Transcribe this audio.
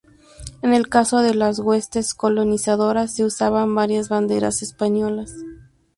En el caso de las huestes colonizadoras, se usaban varias banderas españolas.